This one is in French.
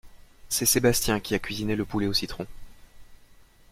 C’est Sébastien qui a cuisiné le poulet au citron.